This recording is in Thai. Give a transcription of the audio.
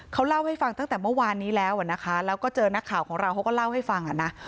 เขาเล่าให้ฟังตั้งแต่เมื่อวานนี้แล้วนะคะแล้วก็เจอนักข่าวของเราเขาก็เล่าให้ฟังอ่ะนะ